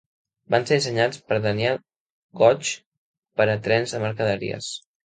Van ser dissenyats per Daniel Gooch per a trens de mercaderies.